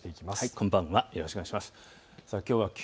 こんばんは。